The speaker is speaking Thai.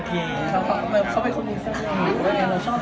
เขาเป็นคนดีสักอย่าง